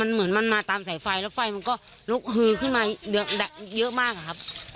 เหมือนมันมาตามสายไฟแล้วไฟมันก็ลุกฮือขึ้นมาเยอะมากอะครับ